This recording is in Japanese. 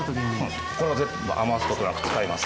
これも全部余すことなく使います。